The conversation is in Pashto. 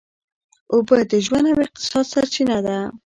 اوبه د ژوند او اقتصاد سرچینه ده.